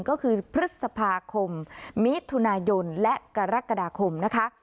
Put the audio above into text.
ก็คือพฤษภาคมมิถุนายนและกรกฎาคมนะคะ